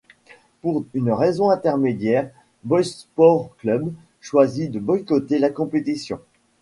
Pour une raison indéterminée, Boys Sports Club choisit de boycotter la compétition.